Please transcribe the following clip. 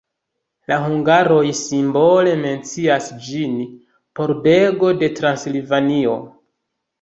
La hungaroj simbole mencias ĝin: "Pordego de Transilvanio".